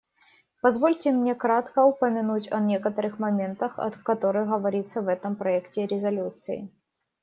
Позвольте мне кратко упомянуть о некоторых моментах, о которых говорится в этом проекте резолюции.